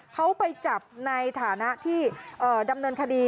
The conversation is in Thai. เขาไปจับในฐานะที่ดำเนินคดี